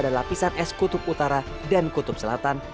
ada juga debu vulkanik pada lapisan es kutub utara dan kutub selatan